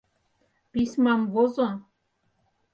— Письмам возо.